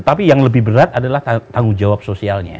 tapi yang lebih berat adalah tanggung jawab sosialnya